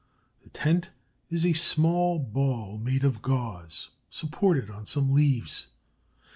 The tent is a small ball made of gauze, supported on some leaves.